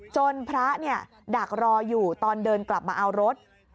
พระดักรออยู่ตอนเดินกลับมาเอารถ